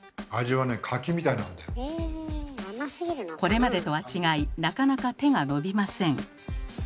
これまでとは違いなかなか手が伸びません。